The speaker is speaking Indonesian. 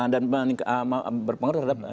dan berpengaruh terhadap